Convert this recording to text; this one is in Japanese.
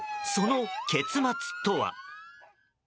その結末とは。